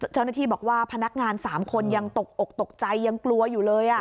เจ้าหน้าที่บอกว่าพนักงาน๓คนยังตกอกตกใจยังกลัวอยู่เลย